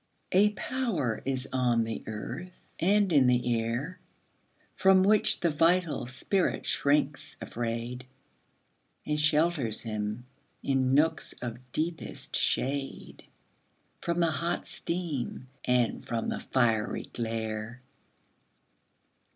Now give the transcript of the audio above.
A power is on the earth and in the air From which the vital spirit shrinks afraid, And shelters him, in nooks of deepest shade, From the hot steam and from the fiery glare.